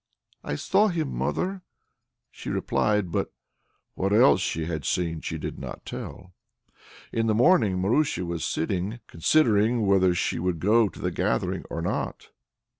"I saw him, mother," she replied. But what else she had seen she did not tell. In the morning Marusia was sitting, considering whether she would go to the gathering or not.